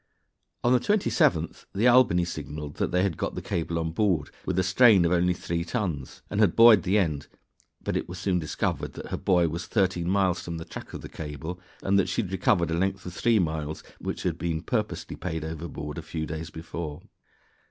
On the 27th the Albany signaled that they had got the cable on board with a strain of only three tons, and had buoyed the end, but it was soon discovered that her buoy was thirteen miles from the track of the cable, and that she had recovered a length of three miles which had been purposely paid overboard a few days before.